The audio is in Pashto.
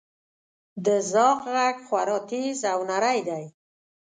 • د زاغ ږغ خورا تیز او نری وي.